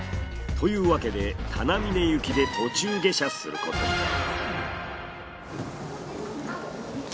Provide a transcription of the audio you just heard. というわけで棚峯行きで途中下車することに。